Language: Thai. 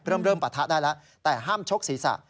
เริ่มปะทะได้แล้วแต่ห้ามชกศีรษะ